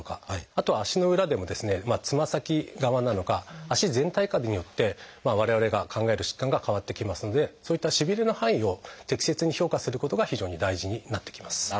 あとは足の裏でもつま先側なのか足全体かによって我々が考える疾患が変わってきますのでそういったしびれの範囲を適切に評価することが非常に大事になってきます。